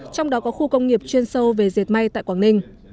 trong đó có khu công nghiệp chuyên sâu về dệt mây tại quảng ninh